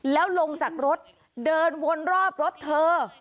แล้วลงจากรถเดินวนรอบรถเธอ